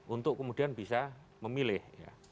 untuk kemudian bisa memilih